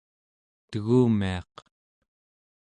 tegumiaq